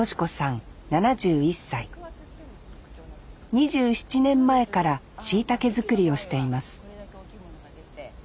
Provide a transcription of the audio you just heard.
２７年前からしいたけ作りをしています